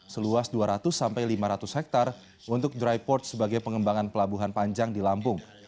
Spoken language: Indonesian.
seluas dua ratus sampai lima ratus hektare untuk dry port sebagai pengembangan pelabuhan panjang di lampung